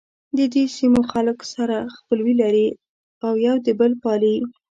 ددې سیمو خلک سره خپلوي لري او یو بل پالي.